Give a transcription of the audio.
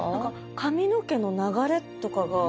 髪の毛の流れとかが。